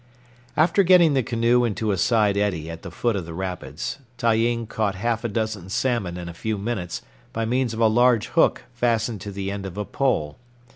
After getting the canoe into a side eddy at the foot of the rapids, Tyeen caught half a dozen salmon in a few minutes by means of a large hook fastened to the end of a pole.